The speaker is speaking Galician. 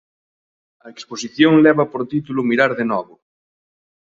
A exposición leva por título 'Mirar de novo'.